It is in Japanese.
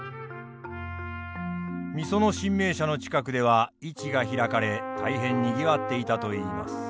御園神明社の近くでは市が開かれ大変にぎわっていたといいます。